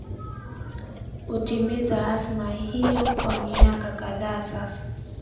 utimiza azma hiyo kwa miaka kadhaa sasa